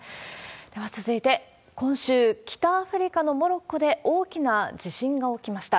では続いて、今週、北アフリカのモロッコで大きな地震が起きました。